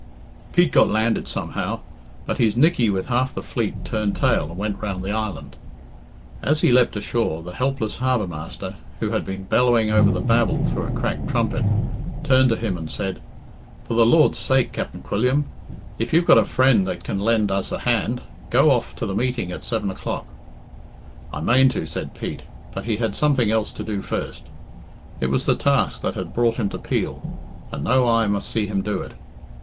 Pete got landed somehow, but his Nickey with half the fleet turned tail and went round the island. As he leapt ashore, the helpless harbour master, who had been bellowing over the babel through a cracked trumpet, turned to him and said, "For the Lord's sake, Capt'n Quilliam, if you've got a friend that can lend us a hand, go off to the meeting at seven o'clock." "I mane to," said Pete, but he had something else to do first. It was the task that had brought him to Peel, and no eye must see him do it.